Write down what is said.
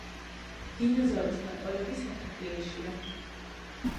დინოზავრის ნაკვალევი სათაფლიაშია